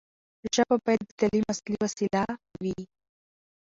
ژبه باید د تعلیم اصلي وسیله وي.